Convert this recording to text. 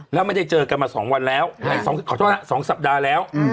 แล้วไม่ได้เจอกันมา๒วันแล้วขอโทษนะ๒สัปดาห์แล้ว